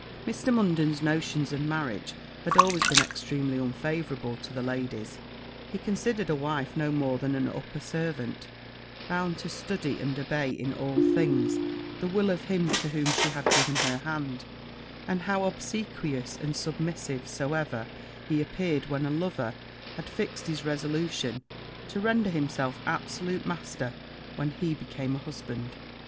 Mr. Munden's notions of marriage had always been extremely unfavourable to the ladies he considered a wife no more than an upper servant, bound to study and obey, in all things, the will of him to whom she had given her hand: and how obsequious and submissive soever he appeared when a lover, had fixed his resolution to render himself absolute master when he became a husband.